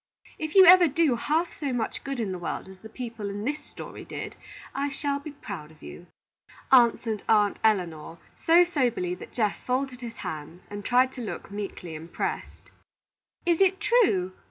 If you ever do half so much good in the world as the people in this story did, I shall be proud of you," answered Aunt Elinor, so soberly that Geoff folded his hands, and tried to look meekly impressed. "Is it true?"